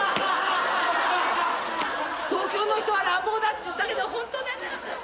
東京の人は乱暴だっつったけどホントだな。